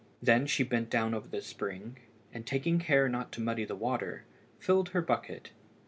Then she bent down over the spring, and, taking care not to muddy the water, filled her bucket.